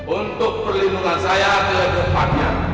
untuk perlindungan saya ke depannya